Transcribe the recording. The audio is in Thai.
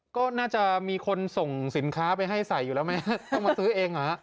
ก็น่าจะมีคนส่งสินค้าไปให้ใส่อยู่แล้วไหมต้องมาซื้อเองเหรอฮะ